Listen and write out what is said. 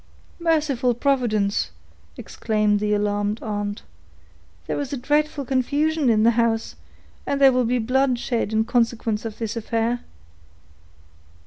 "Merciful Providence!" exclaimed the alarmed aunt; "there is a dreadful confusion in the house, and there will be blood shed in consequence of this affair."